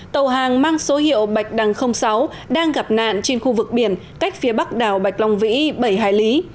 tàu hàng mang số hiệu bạch đằng sáu đang gặp nạn trên khu vực biển cách phía bắc đảo bạch long vĩ bảy hải lý